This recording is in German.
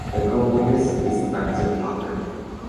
Der Kompromiss ist akzeptabel.